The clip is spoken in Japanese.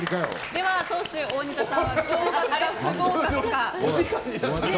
では、党首大仁田さんは合格か不合格か。